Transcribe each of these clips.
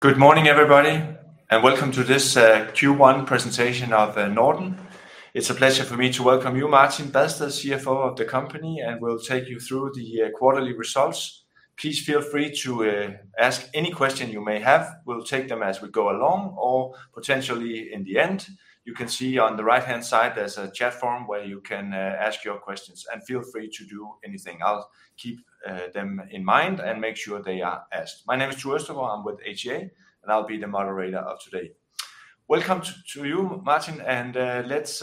Good morning, everybody, and welcome to this Q1 presentation of Norden. It's a pleasure for me to welcome you, Martin Badsted, CFO of the company, and we'll take you through the quarterly results. Please feel free to ask any question you may have. We'll take them as we go along or potentially in the end. You can see on the right-hand side there's a chat forum where you can ask your questions and feel free to do anything. I'll keep them in mind and make sure they are asked. My name is Tue Østervang. I'm with SEB, and I'll be the moderator of today. Welcome to you, Martin, and let's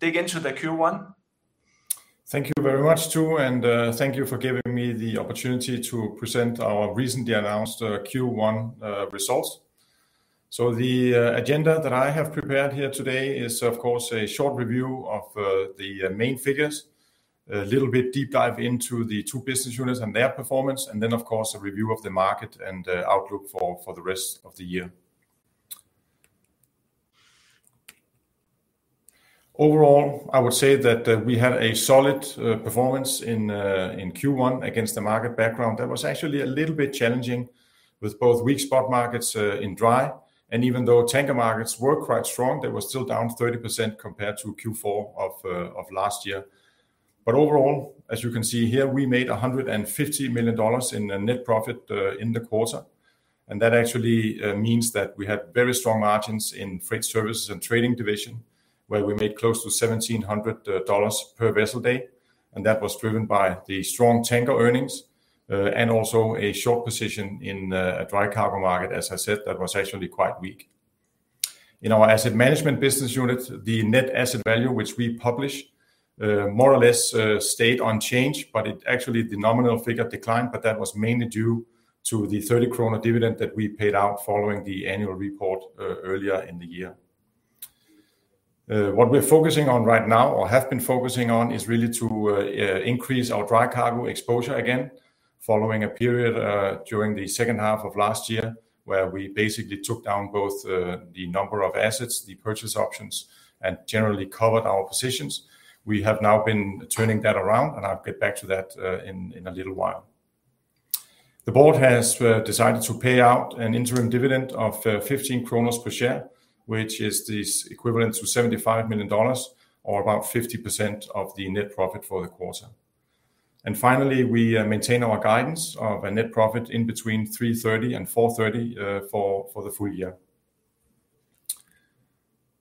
dig into the Q1. Thank you very much, Tue, and thank you for giving me the opportunity to present our recently announced Q1 results. The agenda that I have prepared here today is, of course, a short review of the main figures, a little bit deep dive into the two business units and their performance, and then, of course, a review of the market and the outlook for the rest of the year. Overall, I would say that we had a solid performance in Q1 against the market background. That was actually a little bit challenging with both weak spot markets in dry. Even though tanker markets were quite strong, they were still down 30% compared to Q4 of last year. Overall, as you can see here, we made $150 million in net profit in the quarter. That actually means that we had very strong margins in Freight Services & Trading, where we made close to $1,700 per vessel day. That was driven by the strong tanker earnings and also a short position in a dry cargo market, as I said, that was actually quite weak. In our Asset Management business unit, the net asset value, which we publish more or less, stayed unchanged, but actually the nominal figure declined, but that was mainly due to the 30 kroner dividend that we paid out following the annual report earlier in the year. What we're focusing on right now or have been focusing on is really to increase our dry cargo exposure again, following a period during the second half of last year where we basically took down both the number of assets, the purchase options, and generally covered our positions. We have now been turning that around and I'll get back to that in a little while. The board has decided to pay out an interim dividend of 15 per share, which is the equivalent to $75 million or about 50% of the net profit for the quarter. Finally, we maintain our guidance of a net profit between $330 million and $430 million for the full year.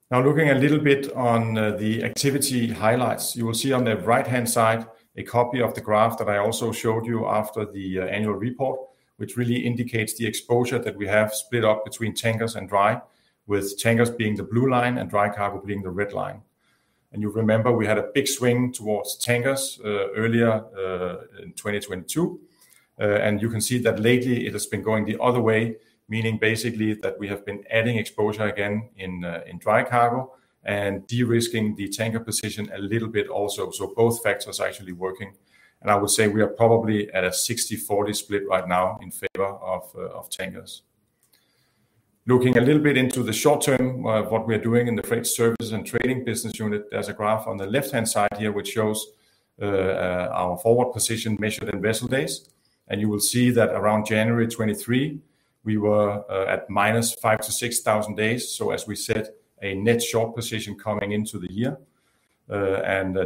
Now looking a little bit on the activity highlights. You will see on the right-hand side a copy of the graph that I also showed you after the annual report, which really indicates the exposure that we have split up between tankers and dry, with tankers being the blue line and dry cargo being the red line. You remember we had a big swing towards tankers earlier in 2022. You can see that lately it has been going the other way, meaning basically that we have been adding exposure again in dry cargo and de-risking the tanker position a little bit also. Both factors are actually working. I would say we are probably at a 60/40 split right now in favor of tankers. Looking a little bit into the short term, what we are doing in the Freight Services & Trading business unit, there's a graph on the left-hand side here which shows our forward position measured in vessel days. You will see that around January 2023, we were at minus 5,000-6,000 days. As we said, a net short position coming into the year.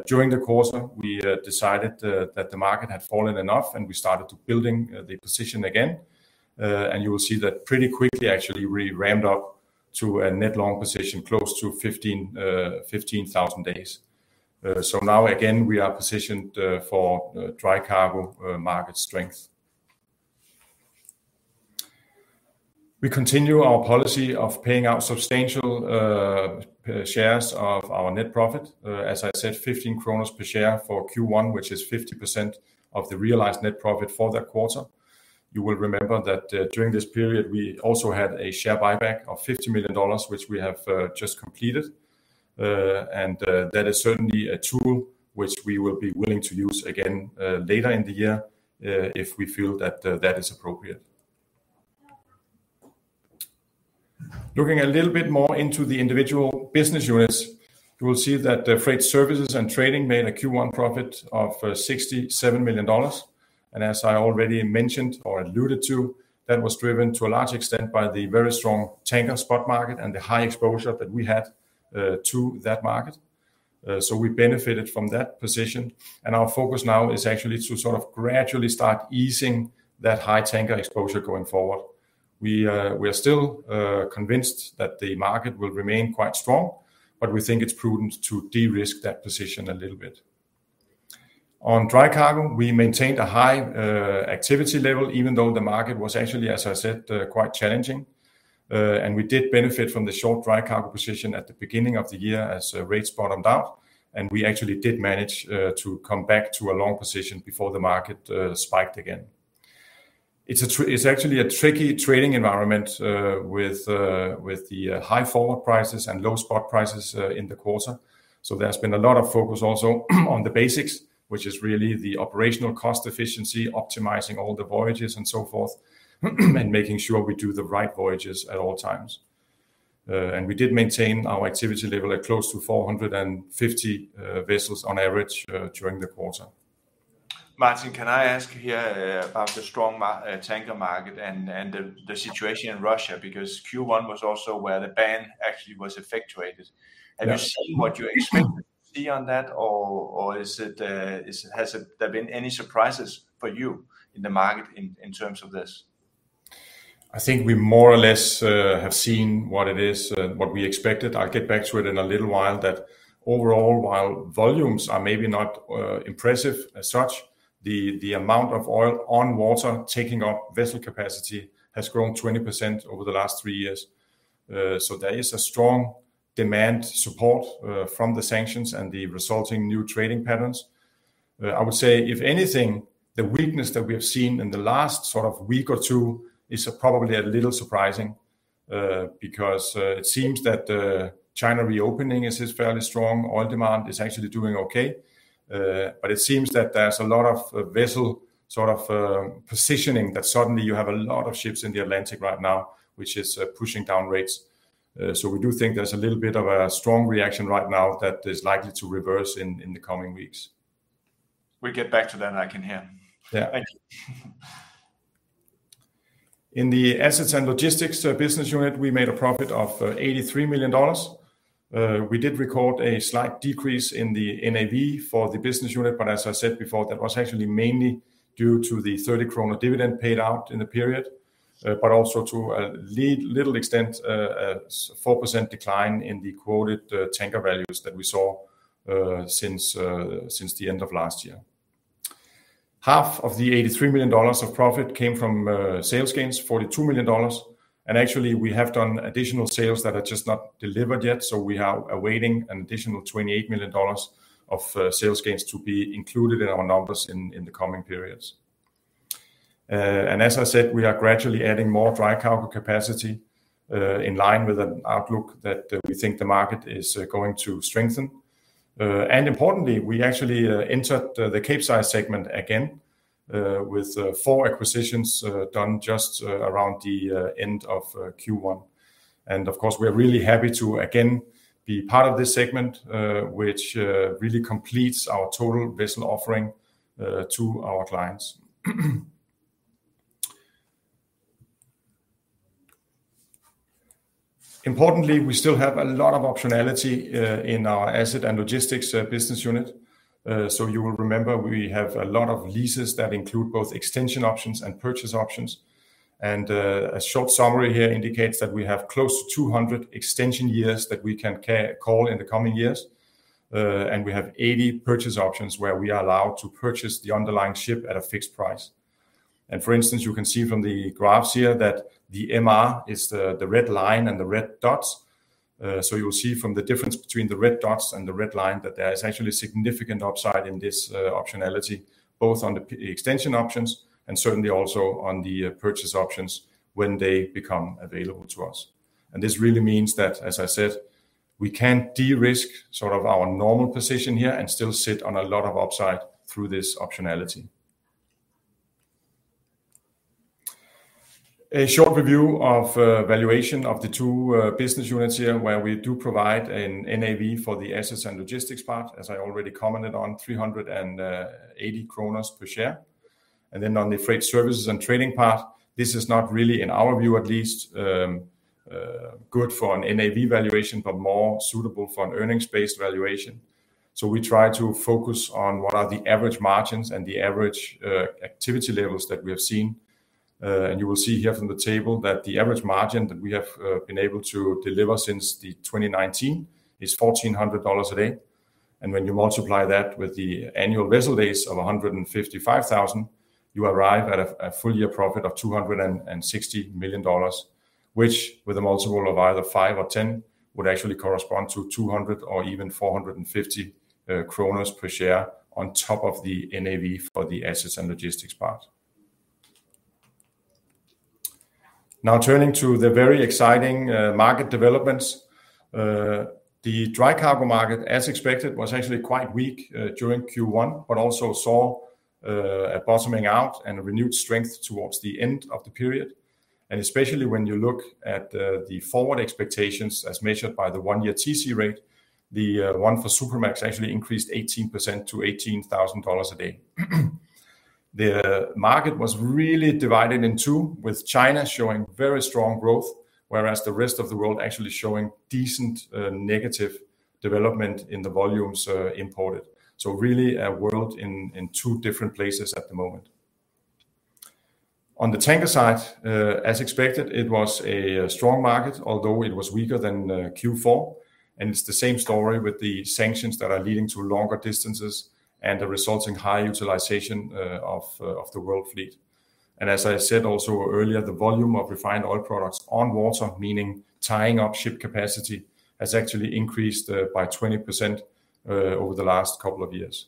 During the quarter, we decided that the market had fallen enough and we started building the position again. You will see that pretty quickly actually, we ramped up to a net long position close to 15,000 days. Now again, we are positioned for dry cargo market strength. We continue our policy of paying out substantial shares of our net profit. As I said, 15 kroner per share for Q1, which is 50% of the realized net profit for that quarter. You will remember that, during this period, we also had a share buyback of $50 million, which we have just completed. That is certainly a tool which we will be willing to use again later in the year if we feel that that is appropriate. Looking a little bit more into the individual business units, you will see that the Freight Services & Trading made a Q1 profit of $67 million. As I already mentioned or alluded to, that was driven to a large extent by the very strong tanker spot market and the high exposure that we had to that market. We benefited from that position. Our focus now is actually to sort of gradually start easing that high tanker exposure going forward. We are still convinced that the market will remain quite strong, but we think it's prudent to de-risk that position a little bit. On dry cargo, we maintained a high activity level, even though the market was actually, as I said, quite challenging. We did benefit from the short dry cargo position at the beginning of the year as rates bottomed out. We actually did manage to come back to a long position before the market spiked again. It's actually a tricky trading environment with the high forward prices and low spot prices in the quarter. There's been a lot of focus also on the basics, which is really the operational cost efficiency, optimizing all the voyages and so forth, and making sure we do the right voyages at all times. We did maintain our activity level at close to 450 vessels on average during the quarter. Martin, can I ask you here about the strong tanker market and the situation in Russia, because Q1 was also where the ban actually was effectuated? Have you seen what you expected to see on that or has there been any surprises for you in the market in terms of this? I think we more or less have seen what it is, what we expected. I'll get back to it in a little while that overall, while volumes are maybe not impressive as such, the amount of oil on water taking up vessel capacity has grown 20% over the last three years. There is a strong demand support from the sanctions and the resulting new trading patterns. I would say, if anything, the weakness that we have seen in the last sort of week or two is probably a little surprising because it seems that the China reopening is fairly strong. Oil demand is actually doing okay. It seems that there's a lot of vessel sort of positioning that suddenly you have a lot of ships in the Atlantic right now, which is pushing down rates. We do think there's a little bit of a strong reaction right now that is likely to reverse in the coming weeks. We'll get back to that. I can hear. In the Assets & Logistics business unit, we made a profit of $83 million. We did record a slight decrease in the NAV for the business unit, but as I said before, that was actually mainly due to the 30 krone dividend paid out in the period, but also to a little extent, a 4% decline in the quoted tanker values that we saw since the end of last year. Half of the $83 million of profit came from sales gains, $42 million. Actually we have done additional sales that are just not delivered yet, so we are awaiting an additional $28 million of sales gains to be included in our numbers in the coming periods. As I said, we are gradually adding more dry cargo capacity in line with an outlook that we think the market is going to strengthen. Importantly, we actually entered the Capesize segment again with 4 acquisitions done just around the end of Q1. Of course, we're really happy to again be part of this segment, which really completes our total vessel offering to our clients. Importantly, we still have a lot of optionality in our Assets & Logistics business unit. You will remember we have a lot of leases that include both extension options and purchase options. A short summary here indicates that we have close to 200 extension years that we can call in the coming years. We have 80 purchase options where we are allowed to purchase the underlying ship at a fixed price. For instance, you can see from the graphs here that the MR is the red line and the red dots. So you'll see from the difference between the red dots and the red line that there is actually significant upside in this optionality, both on the extension options and certainly also on the purchase options when they become available to us. This really means that, as I said, we can de-risk sort of our normal position here and still sit on a lot of upside through this optionality. A short review of valuation of the two business units here, where we do provide an NAV for the Assets & Logistics part, as I already commented on, 380 kroner per share. Then on the Freight Services & Trading part, this is not really, in our view at least, good for an NAV valuation, but more suitable for an earnings-based valuation. We try to focus on what are the average margins and the average activity levels that we have seen. You will see here from the table that the average margin that we have been able to deliver since 2019 is $1,400 a day. When you multiply that with the annual vessel days of 155,000, you arrive at a full-year profit of $260 million, which with a multiple of either 5 or 10, would actually correspond to 200 or even 450 kroner per share on top of the NAV for the Assets & Logistics part. Now turning to the very exciting market developments. The dry cargo market, as expected, was actually quite weak during Q1, but also saw a bottoming out and a renewed strength towards the end of the period. Especially when you look at the forward expectations as measured by the one-year TC rate, the one for Supramax actually increased 18% to $18,000 a day. The market was really divided in two, with China showing very strong growth, whereas the rest of the world actually showing decent negative development in the volumes imported. Really a world in two different places at the moment. On the tanker side, as expected, it was a strong market, although it was weaker than Q4. It's the same story with the sanctions that are leading to longer distances and the resulting high utilization of the world fleet. As I said also earlier, the volume of refined oil products on water, meaning tying up ship capacity, has actually increased by 20% over the last couple of years.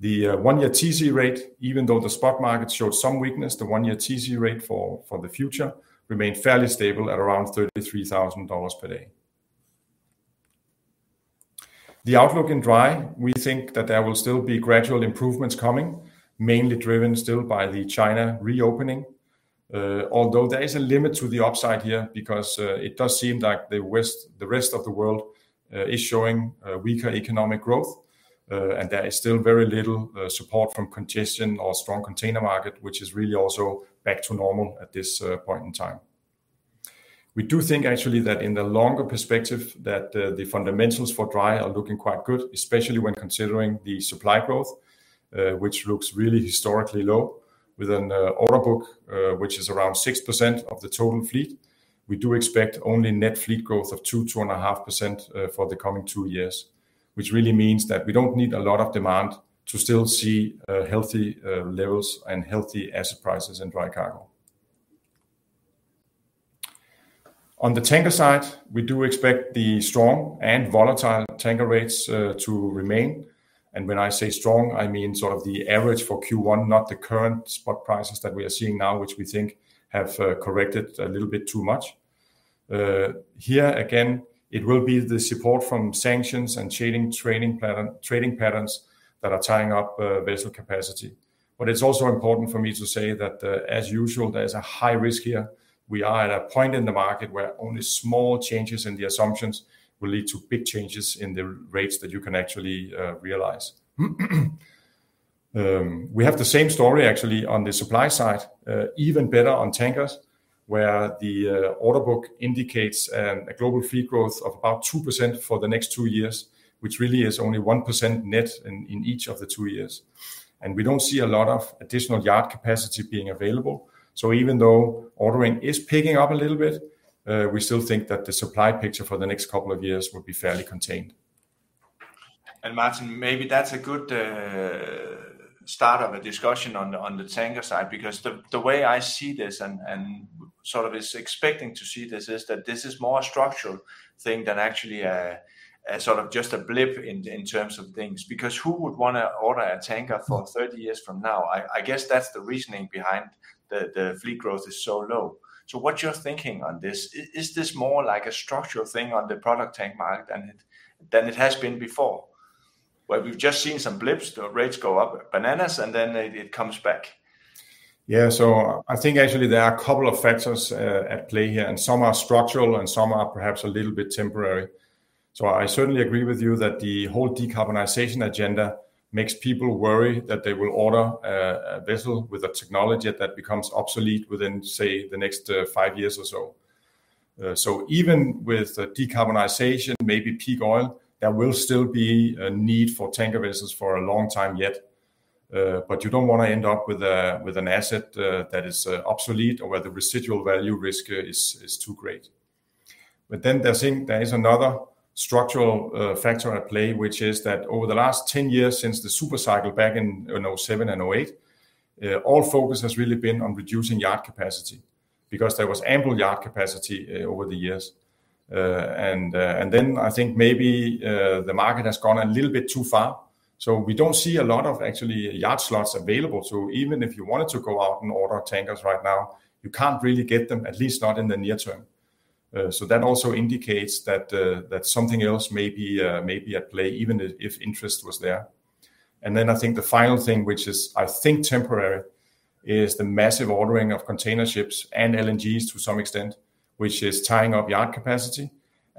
The one-year TC rate, even though the spot market showed some weakness, the one-year TC rate for the future remained fairly stable at around $33,000 per day. The outlook in dry, we think that there will still be gradual improvements coming, mainly driven still by the China reopening. Although there is a limit to the upside here because it does seem like the West, the rest of the world, is showing weaker economic growth. There is still very little support from congestion or strong container market, which is really also back to normal at this point in time. We do think actually that in the longer perspective that the fundamentals for dry are looking quite good, especially when considering the supply growth, which looks really historically low within the order book, which is around 6% of the total fleet. We do expect only net fleet growth of 2%-2.5%, for the coming 2 years, which really means that we don't need a lot of demand to still see healthy levels and healthy asset prices in dry cargo. On the tanker side, we do expect the strong and volatile tanker rates to remain. When I say strong, I mean sort of the average for Q1, not the current spot prices that we are seeing now, which we think have corrected a little bit too much. Here again, it will be the support from sanctions and changing trading patterns that are tying up vessel capacity. It's also important for me to say that, as usual, there's a high risk here. We are at a point in the market where only small changes in the assumptions will lead to big changes in the rates that you can actually realize. We have the same story actually on the supply side, even better on tankers, where the order book indicates a global fleet growth of about 2% for the next two years, which really is only 1% net in each of the two years. We don't see a lot of additional yard capacity being available. Even though ordering is picking up a little bit, we still think that the supply picture for the next couple of years will be fairly contained. Martin, maybe that's a good start of a discussion on the tanker side because the way I see this and sort of is expecting to see this is that this is more a structural thing than actually a sort of just a blip in terms of things because who would wanna order a tanker for 30 years from now? I guess that's the reasoning behind the fleet growth is so low. What's your thinking on this? Is this more like a structural thing on the product tanker market than it has been before, where we've just seen some blips, the rates go up bananas and then it comes back? Yeah. I think actually there are a couple of factors at play here, and some are structural and some are perhaps a little bit temporary. I certainly agree with you that the whole decarbonization agenda makes people worry that they will order a vessel with a technology that becomes obsolete within, say, the next five years or so. Even with decarbonization, maybe peak oil, there will still be a need for tanker vessels for a long time yet. You don't wanna end up with an asset that is obsolete or where the residual value risk is too great. I think there is another structural factor at play, which is that over the last 10 years since the super cycle back in 2007 and 2008, all focus has really been on reducing yard capacity because there was ample yard capacity over the years. I think maybe the market has gone a little bit too far. We don't see a lot of actually yard slots available. Even if you wanted to go out and order tankers right now, you can't really get them, at least not in the near term. That also indicates that something else may be at play even if interest was there. I think the final thing, which is I think temporary, is the massive ordering of container ships and LNGs to some extent, which is tying up yard capacity.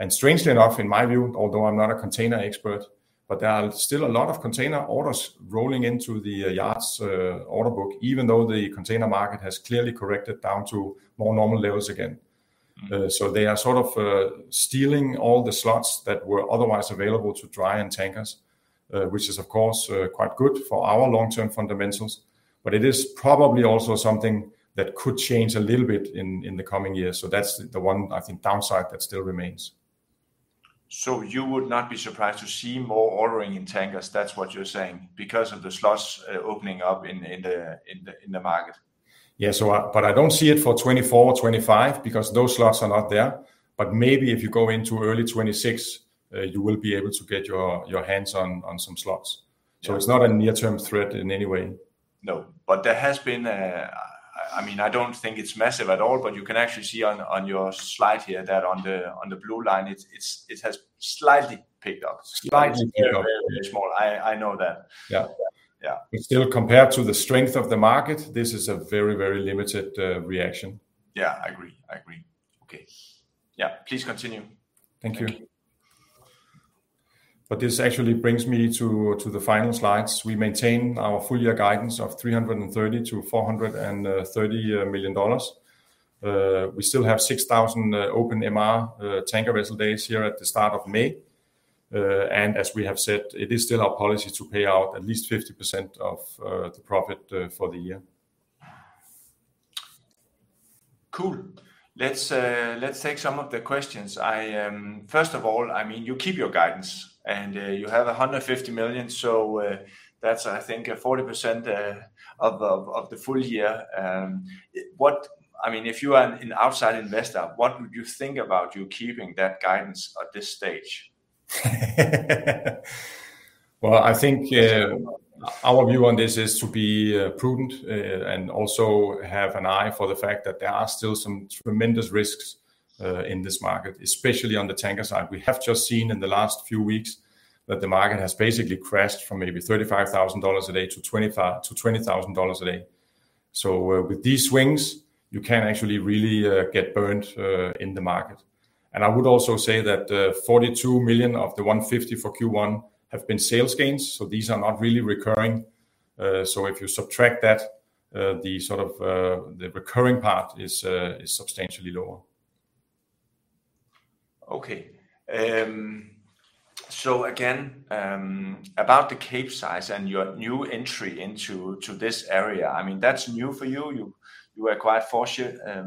Strangely enough, in my view, although I'm not a container expert, but there are still a lot of container orders rolling into the yards, order book even though the container market has clearly corrected down to more normal levels again. They are sort of stealing all the slots that were otherwise available to dry and tankers, which is of course quite good for our long-term fundamentals, but it is probably also something that could change a little bit in the coming years. That's the one I think downside that still remains. You would not be surprised to see more ordering in tankers, that's what you're saying because of the slots opening up in the market? I don't see it for 2024 or 2025 because those slots are not there. Maybe if you go into early 2026, you will be able to get your hands on some slots. It's not a near-term threat in any way. No. There has been, I mean, I don't think it's massive at all, but you can actually see on your slide here that on the blue line it has slightly picked up. Slightly picked up. Very, very small. I know that. Yeah. Yeah. Still compared to the strength of the market, this is a very, very limited reaction. Yeah. I agree. Okay. Yeah, please continue. Thank you. This actually brings me to the final slides. We maintain our full-year guidance of $330 million-$430 million. We still have 6,000 open MR tanker vessel days here at the start of May. As we have said, it is still our policy to pay out at least 50% of the profit for the year. Cool. Let's take some of the questions. First of all, I mean, you keep your guidance and you have $150 million, so that's, I think, 40% of the full year. I mean, if you are an outside investor, what would you think about you keeping that guidance at this stage? Well, I think our view on this is to be prudent and also have an eye for the fact that there are still some tremendous risks in this market, especially on the tanker side. We have just seen in the last few weeks that the market has basically crashed from maybe $35,000 a day to $20,000 a day. So with these swings, you can actually really get burnt in the market. I would also say that $42 million of the $150 million for Q1 have been sales gains, so these are not really recurring. So if you subtract that, the sort of the recurring part is substantially lower. Okay. Again, about the Capesize and your new entry into this area, I mean, that's new for you. You acquired four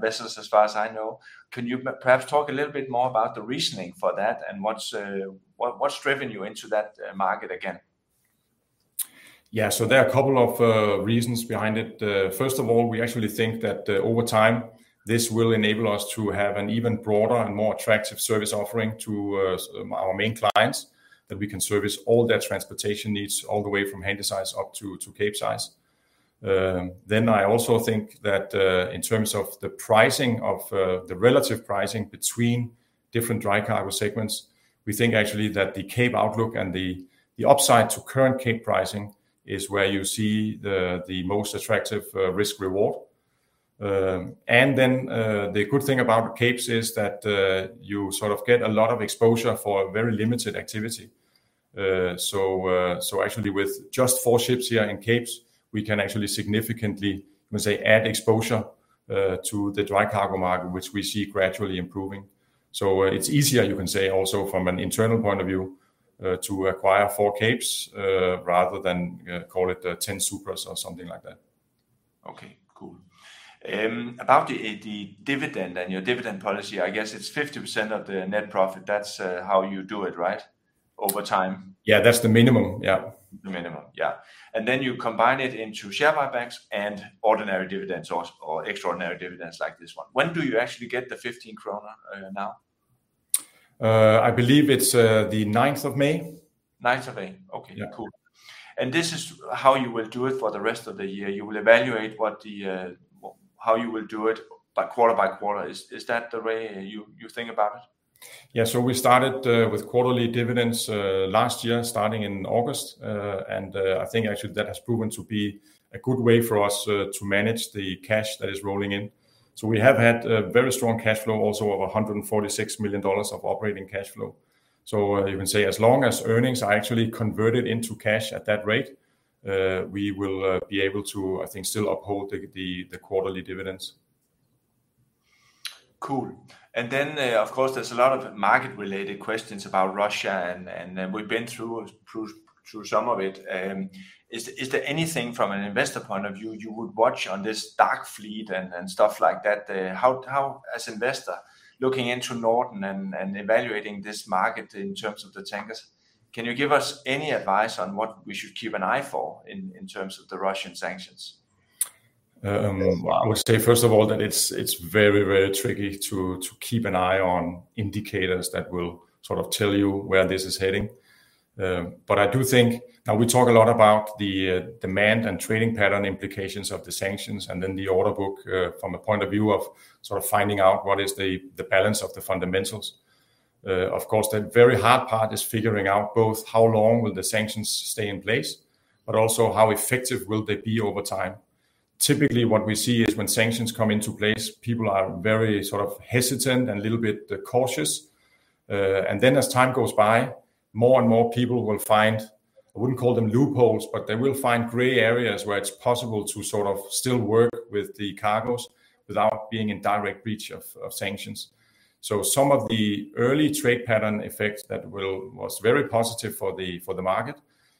vessels, as far as I know. Can you perhaps talk a little bit more about the reasoning for that and what's driven you into that market again? Yeah. There are a couple of reasons behind it. First of all, we actually think that over time, this will enable us to have an even broader and more attractive service offering to our main clients, that we can service all their transportation needs all the way from Handysize up to Capesize. Then I also think that in terms of the pricing of the relative pricing between different dry cargo segments, we actually think that the Cape outlook and the upside to current Cape pricing is where you see the most attractive risk reward. The good thing about Capes is that you sort of get a lot of exposure for very limited activity. Actually with just four ships here in Capes, we can actually significantly, let me say, add exposure to the dry cargo market, which we see gradually improving. It's easier, you can say also from an internal point of view, to acquire four Capes rather than, call it, 10 Supramaxes or something like that. Okay, cool. About the dividend and your dividend policy, I guess it's 50% of the net profit. That's how you do it, right? Over time. Yeah. That's the minimum. Yeah. The minimum. Yeah. You combine it into share buybacks and ordinary dividends or extraordinary dividends like this one. When do you actually get the 15 kroner now? I believe it's the ninth of May. Ninth of May. Okay. Yeah. Cool. This is how you will do it for the rest of the year. You will evaluate how you will do it by quarter by quarter. Is that the way you think about it? Yeah. We started with quarterly dividends last year, starting in August. I think actually that has proven to be a good way for us to manage the cash that is rolling in. We have had a very strong cash flow also of $146 million of operating cash flow. You can say as long as earnings are actually converted into cash at that rate, we will be able to, I think, still uphold the quarterly dividends. Cool. Of course, there's a lot of market-related questions about Russia and we've been through some of it. Is there anything from an investor point of view you would watch on this dark fleet and stuff like that? How, as an investor looking into Norden and evaluating this market in terms of the tankers, can you give us any advice on what we should keep an eye for in terms of the Russian sanctions? I would say, first of all, that it's very tricky to keep an eye on indicators that will sort of tell you where this is heading. I do think now we talk a lot about the demand and trading pattern implications of the sanctions and then the order book from a point of view of sort of finding out what is the balance of the fundamentals. Of course, the very hard part is figuring out both how long will the sanctions stay in place, but also how effective will they be over time. Typically, what we see is when sanctions come into place, people are very sort of hesitant and a little bit cautious. As time goes by, more and more people will find, I wouldn't call them loopholes, but they will find gray areas where it's possible to sort of still work with the cargoes without being in direct breach of sanctions. Some of the early trade pattern effects that was very positive for the market,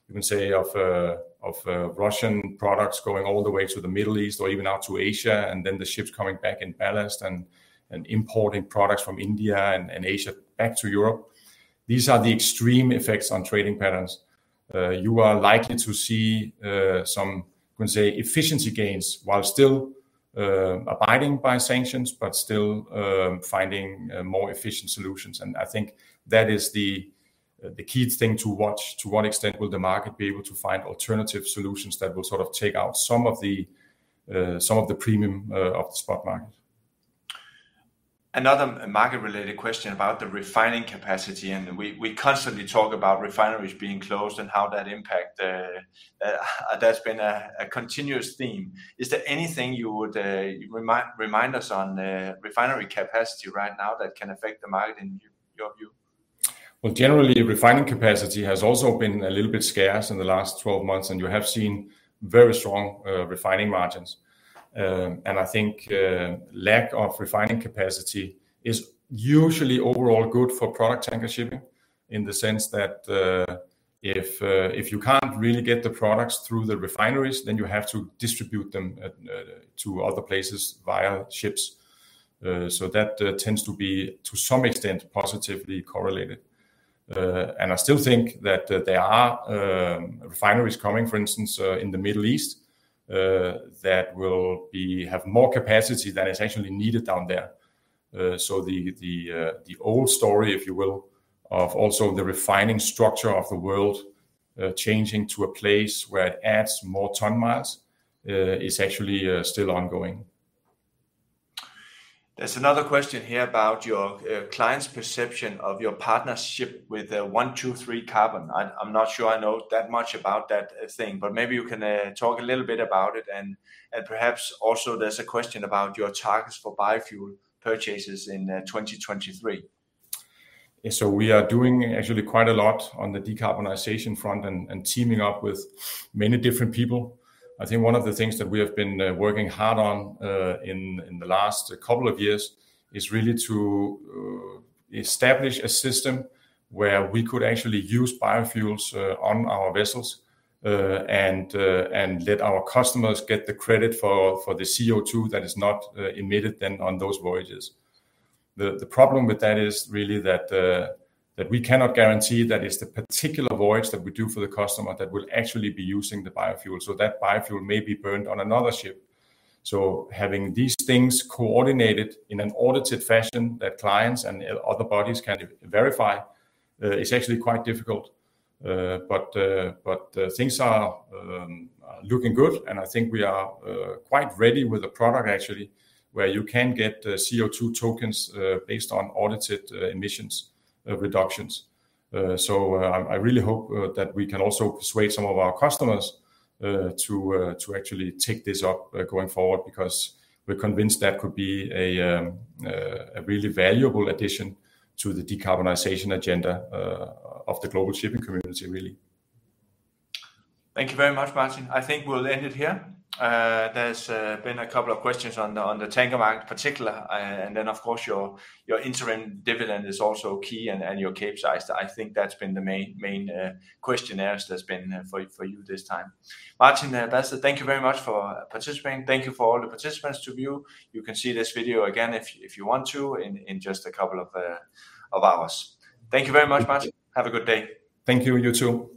you can say, of Russian products going all the way to the Middle East or even out to Asia, and then the ships coming back in ballast and importing products from India and Asia back to Europe. These are the extreme effects on trading patterns. You are likely to see some, you can say, efficiency gains while still abiding by sanctions but still finding more efficient solutions. I think that is the key thing to watch, to what extent will the market be able to find alternative solutions that will sort of take out some of the premium of the spot market. Another market-related question about the refining capacity, and we constantly talk about refineries being closed and how that impact. That's been a continuous theme. Is there anything you would remind us on, refinery capacity right now that can affect the market in your view? Well, generally, refining capacity has also been a little bit scarce in the last 12 months, and you have seen very strong refining margins. I think lack of refining capacity is usually overall good for product tanker shipping in the sense that if you can't really get the products through the refineries, then you have to distribute them to other places via ships. That tends to be, to some extent, positively correlated. I still think that there are refineries coming, for instance, in the Middle East, that will have more capacity than is actually needed down there. The old story, if you will, of also the refining structure of the world changing to a place where it adds more ton-miles, is actually still ongoing. There's another question here about your clients' perception of your partnership with 123Carbon. I'm not sure I know that much about that thing, but maybe you can talk a little bit about it and perhaps also there's a question about your targets for biofuel purchases in 2023. Yeah, we are doing actually quite a lot on the decarbonization front and teaming up with many different people. I think one of the things that we have been working hard on in the last couple of years is really to establish a system where we could actually use biofuels on our vessels and let our customers get the credit for the CO2 that is not emitted then on those voyages. The problem with that is really that we cannot guarantee that it is the particular voyage that we do for the customer that will actually be using the biofuel. That biofuel may be burned on another ship. Having these things coordinated in an audited fashion that clients and other parties can verify is actually quite difficult. Things are looking good, and I think we are quite ready with a product actually where you can get CO2 tokens based on audited emissions reductions. I really hope that we can also persuade some of our customers to actually take this up going forward because we're convinced that could be a really valuable addition to the decarbonization agenda of the global shipping community really. Thank you very much, Martin. I think we'll end it here. There's been a couple of questions on the tanker market, particularly, and then of course your interim dividend is also key and your Capesize. I think that's been the main question areas that's been for you this time. Martin Badsted, thank you very much for participating. Thank you for all the participants to view. You can see this video again if you want to in just a couple of hours. Thank you very much, Martin. Have a good day. Thank you. You too.